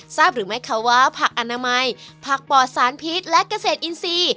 ทราบหรือไหมคะว่าผักอนามัยผักปอดสารพิษและเกษตรอินทรีย์